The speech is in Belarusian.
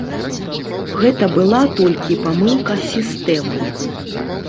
Гэта была толькі памылка сістэмы.